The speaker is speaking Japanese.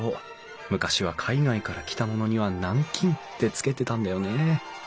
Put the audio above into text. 昔は海外から来たものには南京って付けてたんだよね。